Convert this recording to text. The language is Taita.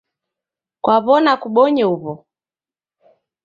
Kwaw'ona kubonye uw'o?